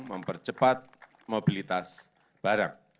mempercepat mobilitas barang